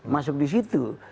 masuk di situ